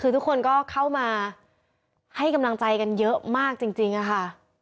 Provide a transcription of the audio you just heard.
คือทุกคนก็เข้ามาให้กำลังใจกันเยอะมากจริงค่ะ